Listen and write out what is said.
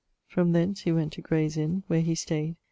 From thence he went to Grayes Inne, where he stayd